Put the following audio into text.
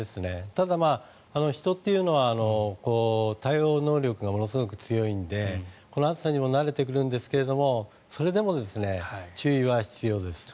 ただ、人っていうのは対応能力がものすごく強いのでこの暑さにも慣れてくるんですけれどもそれでも注意は必要です。